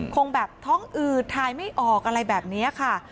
คงแบบท้องอืดทายไม่ออกอะไรแบบนี้ค่ะ